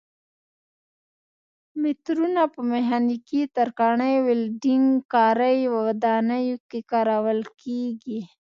مترونه په میخانیکي، ترکاڼۍ، ولډنګ کارۍ او ودانیو کې کارول کېږي.